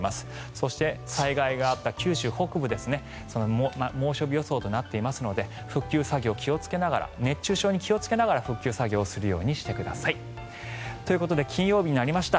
そして、災害があった九州北部ですね猛暑日予想となっていますので復旧作業、気をつけながら熱中症に気をつけながら復旧作業をするようにしてください。ということで金曜日になりました